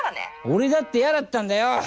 俺だって嫌だったんだよ！